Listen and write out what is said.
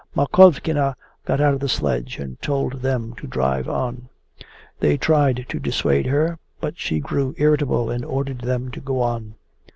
Makovkina got out of the sledge, and told them to drive on. They tried to dissuade her, but she grew irritable and ordered them to go on.